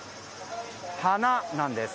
花なんです。